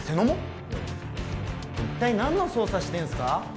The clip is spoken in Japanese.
うん一体何の捜査してんすか？